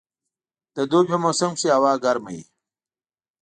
د دوبي په موسم کښي هوا ګرمه وي.